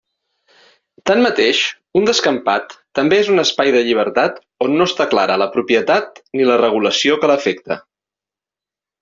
Tanmateix, un descampat també és un espai de llibertat on no està clara la propietat ni la regulació que l'afecta.